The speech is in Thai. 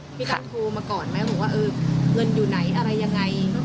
พี่ตามโทรมาก่อนไหมผมว่าเงินอยู่ไหนอะไรยังไง